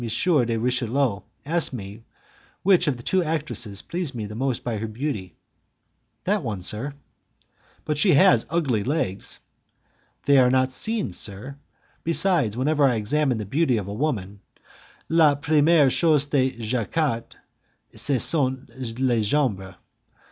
de Richelieu asked me which of the two actresses pleased me most by her beauty. "That one, sir." "But she has ugly legs." "They are not seen, sir; besides, whenever I examine the beauty of a woman, 'la premiere chose que j'ecarte, ce sont les jambes'."